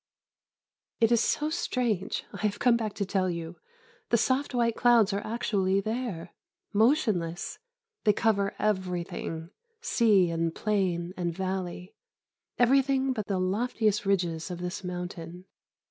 It is so strange, I have come back to tell you. The soft white clouds are actually there motionless they cover everything, sea and plain and valley, everything but the loftiest ridges of this mountain.